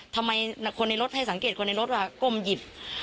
ทำไมคนในรถให้สังเกตคนในรถว่าก้มหยิบ